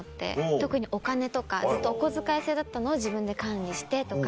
特にお金とかずっとお小遣い制だったのを自分で管理してとか。